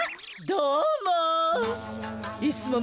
どうも。